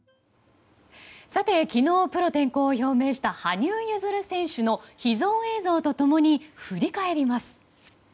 昨日、プロ転向を表明した羽生結弦選手の秘蔵映像と共に振り返ります。